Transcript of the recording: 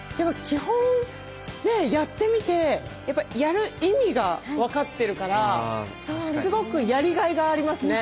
基本ねやってみてやっぱやる意味が分かってるからすごくやりがいがありますね。